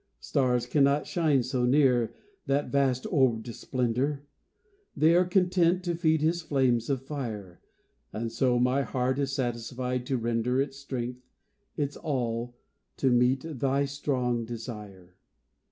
Stars cannot shine so near that vast orb'd splendour; They are content to feed his flames of fire: And so my heart is satisfied to render Its strength, its all, to meet thy strong desire.